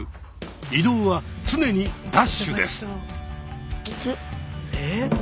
移動は常にダッシュです。